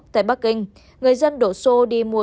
tại bắc kinh người dân đổ xô đi mua